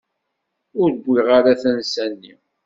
Ur wwiɣ ara tansa-nni.